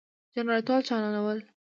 جنراتور چالانول ،